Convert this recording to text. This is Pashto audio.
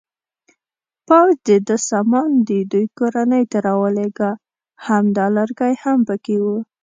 پوځ د ده سامان د دوی کورنۍ ته راولېږه، همدا لرګی هم پکې و.